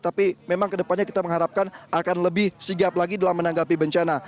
tapi memang kedepannya kita mengharapkan akan lebih sigap lagi dalam menanggapi bencana